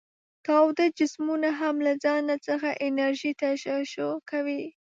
تاوده جسمونه هم له ځانه څخه انرژي تشعشع کوي.